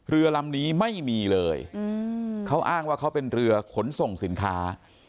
เรือลำนี้ไม่มีเลยเขาอ้างว่าเขาเป็นเรือขนส่งสินค้า